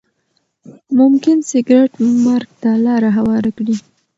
ممکن سګریټ مرګ ته لاره هواره کړي.